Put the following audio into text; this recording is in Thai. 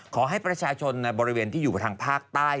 ขอให้ประชาชนในบริเวณที่อยู่ทางภาคใต้